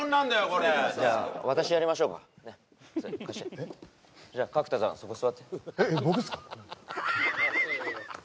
これじゃあ私やりましょうかねっそれ貸してじゃ角田さんそこ座ってえ僕っすか？